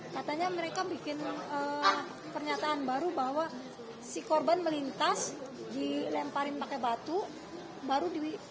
katanya mereka bikin pernyataan baru bahwa si korban melintas dilemparin pakai batu baru di